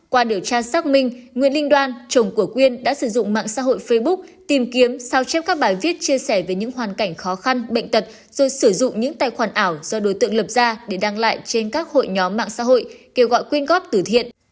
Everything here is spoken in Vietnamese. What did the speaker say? qua điều tra xác minh nguyễn linh đoan chồng của quyên đã sử dụng mạng xã hội facebook tìm kiếm sao chép các bài viết chia sẻ về những hoàn cảnh khó khăn bệnh tật rồi sử dụng những tài khoản ảo do đối tượng lập ra để đăng lại trên các hội nhóm mạng xã hội kêu gọi quyên góp tử thiện